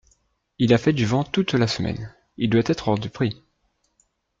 Il a fait du vent toute la semaine, il doit être hors de prix…